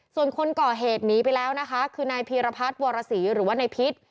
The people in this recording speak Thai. ส่วนคนก่อเหตุหนีไปแล้วนะคะคือนายพีรพัฒน์วรสีหรือว่านายพิษ